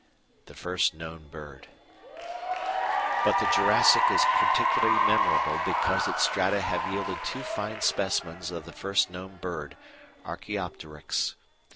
The First Known Bird But the Jurassic is particularly memorable because its strata have yielded two fine specimens of the first known bird, Archæopteryx.